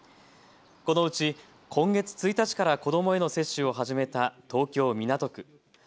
このうち今月１日から子どもへの接種を始めた東京港区。